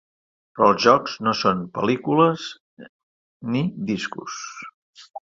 Però els jocs no són pel·lícules ni discos.